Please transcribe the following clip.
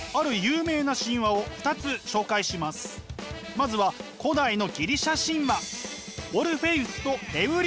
まずは古代のギリシャ神話。